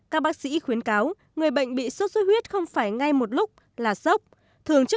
các bác sĩ khuyến cáo người bệnh bị sốt xuất huyết không phải ngay một lúc là sốc